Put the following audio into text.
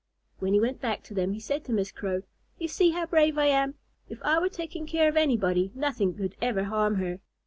When he went back to them, he said to Miss Crow, "You see how brave I am. If I were taking care of anybody, nothing could ever harm her."